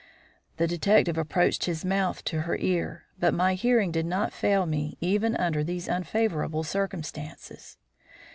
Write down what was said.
The detective approached his mouth to her ear, but my hearing did not fail me even under these unfavourable circumstances.